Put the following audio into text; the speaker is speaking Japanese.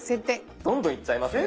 どんどんいっちゃいますね。